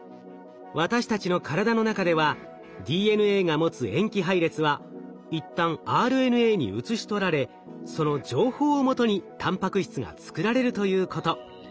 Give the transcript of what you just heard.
私たちの体の中ではＤＮＡが持つ塩基配列は一旦ＲＮＡに写し取られその情報をもとにたんぱく質が作られるということ。